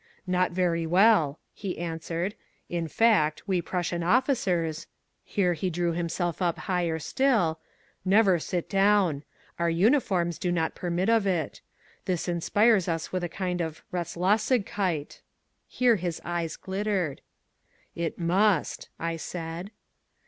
"Not very well," he answered; "in fact, we Prussian officers" here he drew himself up higher still "never sit down. Our uniforms do not permit of it. This inspires us with a kind of Rastlosigkeit." Here his eyes glittered. "It must," I said.